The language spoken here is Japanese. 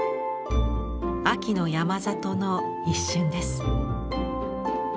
秋の山里の一瞬です。